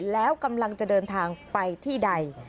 แล้วกำลังจะเดินทางไปที่ใด